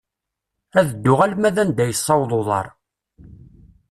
Ad dduɣ alma d anda yessaweḍ uḍar.